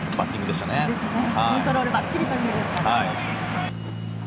コントロールばっちりという。